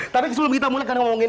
tapi sudah mulai biased